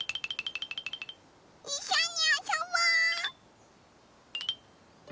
いっしょにあそぼう！